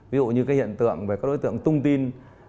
ví dụ như cái hiện tượng về các đối tượng tung tin